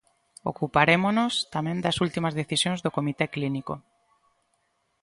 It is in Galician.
Ocuparémonos, tamén das últimas decisións do comité clínico.